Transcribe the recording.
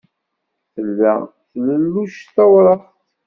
Tella tlelluct tawraɣt.